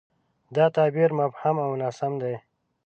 دا تعبیر مبهم او ناسم دی.